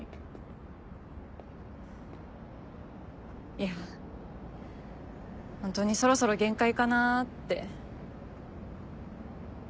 いやホントにそろそろ限界かなって。